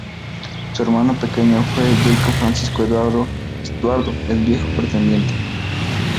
Su hermano pequeño fue Jacobo Francisco Eduardo Estuardo, el "Viejo Pretendiente".